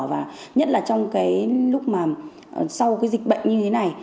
và nhất là trong cái lúc mà sau cái dịch bệnh như thế này